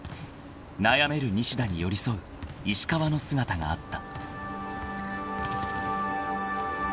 ［悩める西田に寄り添う石川の姿があった］